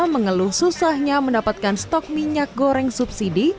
mengeluh susahnya mendapatkan stok minyak goreng subsidi